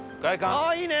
ああいいね。